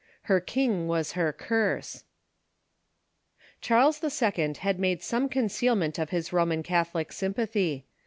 Her king was her curse. Charles II. had made some concealment of his Roman Cath olic sympathy.